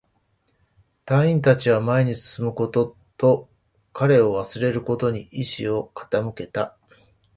隊員達は前に進むことと、彼を忘れることに意志を傾けた